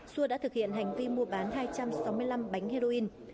xua đã thực hiện hành vi mua bán hai trăm sáu mươi năm bánh heroin